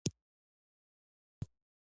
سیاسي واک له ولس څخه خپل مشروعیت اخلي.